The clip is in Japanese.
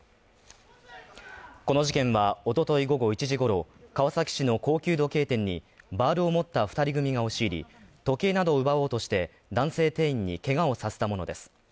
この事件は、おととい午後１時ごろ川崎市の高級時計店にバールを持った２人組が押し入り、時計などを奪おうとして、男性店員にけがをさせたものです。